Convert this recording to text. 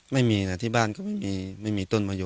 มันน่าจะปกติบ้านเรามีก้านมะยมไหม